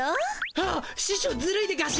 あっししょうずるいでガシ。